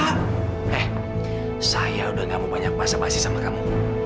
eh saya udah gak mau banyak bahasa bahasa sama kamu